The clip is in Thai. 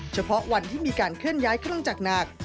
เฉพาะวันที่มีการเคลื่อนย้ายเครื่องจักรหนัก